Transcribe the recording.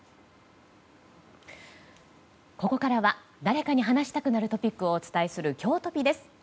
ここからは誰かに話したくなるトピックをお伝えするきょうトピです。